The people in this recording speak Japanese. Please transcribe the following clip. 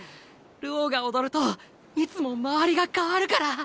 流鶯が踊るといつも周りが変わるから。